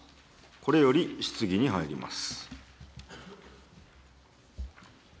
これより質疑に入ります。